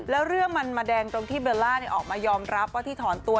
แล้วเรื่องมันมาแดงตรงที่เบลล่าออกมายอมรับว่าที่ถอนตัว